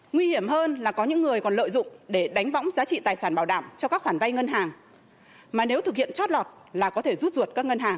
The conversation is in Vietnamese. nguy hiểm hơn là có những người còn lợi dụng để đánh võng giá trị tài sản bảo đảm cho các khoản vay ngân hàng mà nếu thực hiện chót lọt là có thể rút ruột